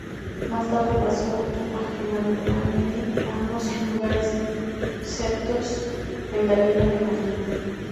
Más tarde pasó a la Gemäldegalerie, ambos lugares sitos en Berlín, Alemania.